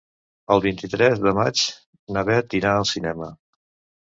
El vint-i-tres de maig na Bet irà al cinema.